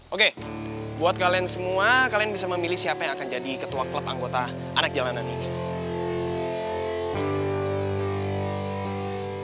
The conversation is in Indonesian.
oke buat kalian semua kalian bisa memilih siapa yang akan jadi ketua klub anggota anak jalanan ini